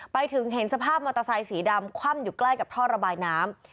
ไปถึงเห็นสภาพมอเตอร์ไซค์สีดำคว่ำอยู่ใกล้กับท่อระบายน้ำ